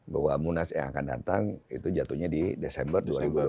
bahwa munas yang akan datang itu jatuhnya di desember dua ribu dua puluh empat